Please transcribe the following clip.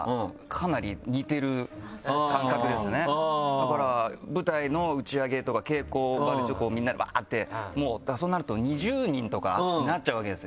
だから舞台の打ち上げとか稽古場でちょっとみんなでバってもうそうなると２０人とかになっちゃうわけですよ。